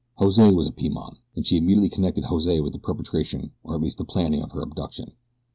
Jose was a Piman, and she immediately connected Jose with the perpetration, or at least the planning of her abduction.